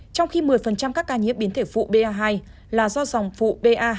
trong khi một mươi các ca nhiễm biến thể phụ ba hai là do dòng phụ ba hai nghìn một trăm hai mươi một